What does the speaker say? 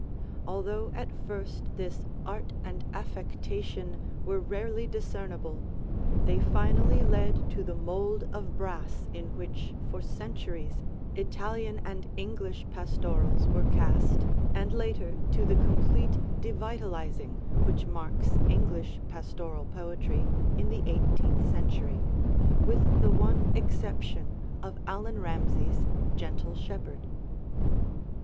Although at first this art and affectation were rarely discernible, they finally led to the mold of brass in which for centuries Italian and English pastorals were cast, and later to the complete devitalizing which marks English pastoral poetry in the eighteenth century, with the one exception of Allan Ramsay's "Gentle Shepherd".